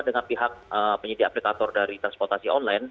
dengan pihak penyelidik aplikator dari transportasi